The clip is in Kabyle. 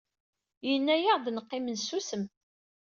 Yenna-aɣ-d ad neqqim nsusem.